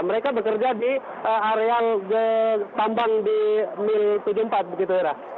mereka bekerja di area tambang di mil tujuh puluh empat begitu hera